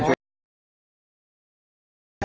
สิวะทางร่มมันวิมเทก